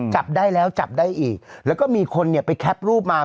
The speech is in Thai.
จับได้แล้วจับได้อีกแล้วก็มีคนเนี่ยไปแคปรูปมา